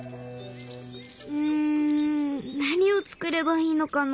ん何を作ればいいのかな。